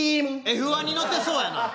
Ｆ１に乗ってそうやな。